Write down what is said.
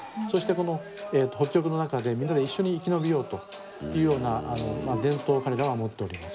この北極の中でみんなで一緒に生き延びようというような伝統を彼らは持っております。